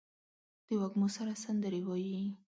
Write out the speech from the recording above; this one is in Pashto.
د وږمو سره سندرې وايي